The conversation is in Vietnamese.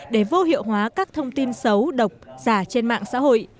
để vô hiệu hóa các cơ quan báo chí